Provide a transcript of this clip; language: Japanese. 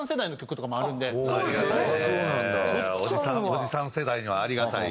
おじさん世代にはありがたい。